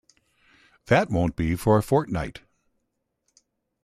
That won’t be for a fortnight.